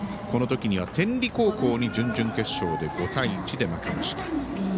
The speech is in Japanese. このときには天理高校に準々決勝で５対１で負けました。